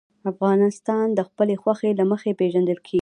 افغانستان د خپلو غوښې له مخې پېژندل کېږي.